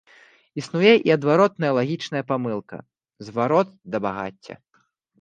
Існуе і адваротная лагічная памылка, зварот да багацця.